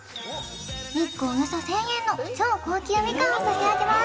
１個およそ１０００円の超高級みかんを差し上げます・